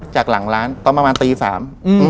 จากหลังร้านตอนประมาณ๓อาทิตย์